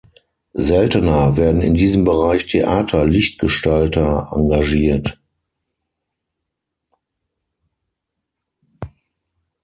Seltener werden in diesem Bereich Theater-Lichtgestalter engagiert.